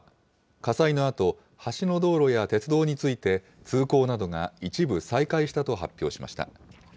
火災のあと、橋の道路や鉄道について、通行などが一部再開したと発表しました。